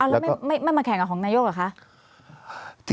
แล้วไม่มาแข่งกับของนายกเหรอคะ